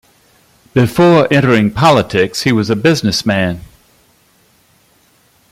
Before entering politics he was a businessman.